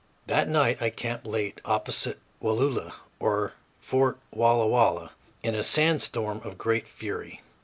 That night I camped late, opposite Wallula (old Fort Walla Walla), in a sand storm of great fury.